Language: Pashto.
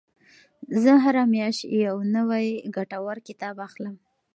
زه هره میاشت یو نوی ګټور کتاب اخلم.